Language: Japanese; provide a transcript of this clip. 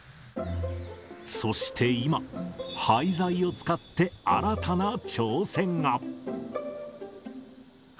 そして今、廃材を使って新たな挑戦が。